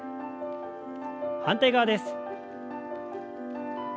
反対側です。